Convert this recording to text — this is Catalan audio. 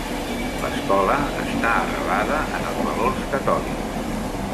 L'escola està arrelada en els valors catòlics.